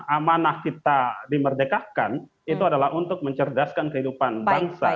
amanah kita dimerdekakan itu adalah untuk mencerdaskan kehidupan bangsa